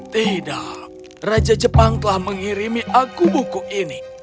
tidak raja jepang telah mengirimi aku buku ini